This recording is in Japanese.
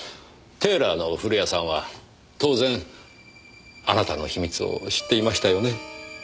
テーラーの古谷さんは当然あなたの秘密を知っていましたよね？